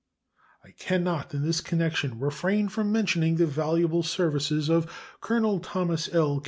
I can not in this connection refrain from mentioning the valuable services of Colonel Thomas L.